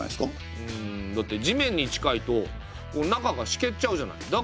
うんだって地面に近いと中がしけっちゃうじゃない。